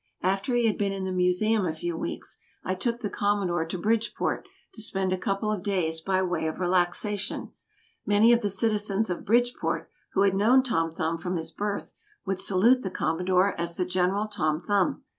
After he had been in the Museum a few weeks, I took the Commodore to Bridgeport to spend a couple of days by way of relaxation. Many of the citizens of Bridgeport, who had known Tom Thumb from his birth, would salute the Commodore as the General Tom Thumb.